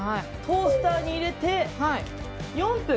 トースターに入れて４分。